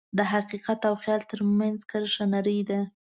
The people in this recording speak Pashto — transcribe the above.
د حقیقت او خیال ترمنځ کرښه نری ده.